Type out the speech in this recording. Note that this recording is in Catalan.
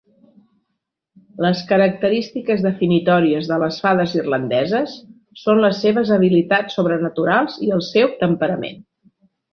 Les característiques definitòries de les fades irlandeses són les seves habilitats sobrenaturals i el seu temperament.